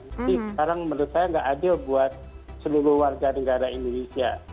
jadi sekarang menurut saya tidak adil buat seluruh warga negara indonesia